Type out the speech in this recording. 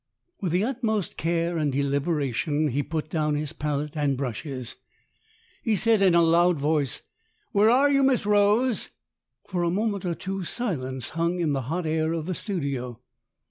With the utmost care and deliberation he put down his palette and brushes. He said in a loud voice, "Where are you, Miss Rose?" For a moment or two silence hung in the hot air of the studio.